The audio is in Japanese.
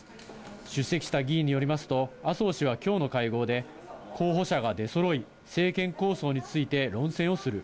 出席した議員によりますと、麻生氏はきょうの会合で、候補者が出そろい、政権構想について論戦をする。